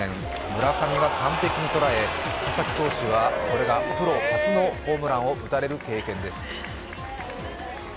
村上が完璧に捉え、佐々木投手はこれがプロ初のホームランを打たれる経験です。